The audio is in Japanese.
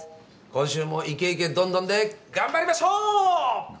今週もイケイケどんどんで頑張りましょうー！